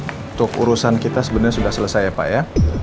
untuk urusan kita sebenarnya sudah selesai ya pak ya